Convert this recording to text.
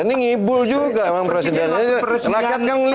ini ngibul juga emang presidennya ini